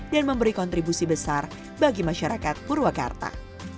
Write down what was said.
dan memberi kontribusi besar bagi masyarakat purwakarta